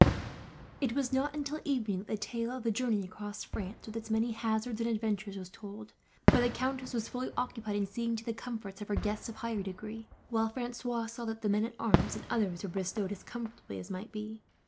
It was not until evening that the tale of the journey across France, with its many hazards and adventures, was told; for the countess was fully occupied in seeing to the comforts of her guests of higher degree, while Francois saw that the men at arms and others were bestowed as comfortably as might be.